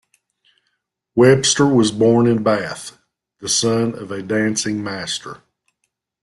Webster was born in Bath, the son of a dancing master.